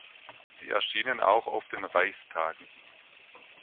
Sie erschienen auch auf den Reichstagen.